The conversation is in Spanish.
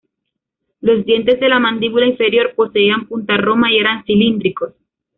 Los dientes de la mandíbula inferior poseían punta roma y eran cilíndricos.